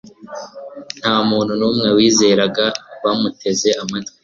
Nta muntu numwe wizeraga Bamuteze amatwi